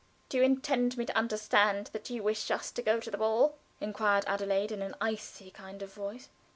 "Do you intend me to understand that you wish us to go to the ball?" inquired Adelaide, in an icy kind of voice.